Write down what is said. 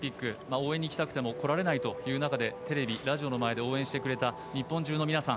応援に来たくても来られないという中でテレビ、ラジオの前で応援してくれた日本中の皆さん